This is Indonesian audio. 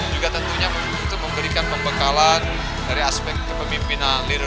juga tentunya untuk memberikan pembekalan dari aspek kepemimpinan lirik